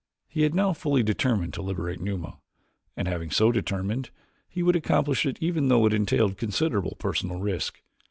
He had now fully determined to liberate Numa, and having so determined, he would accomplish it even though it entailed considerable personal risk.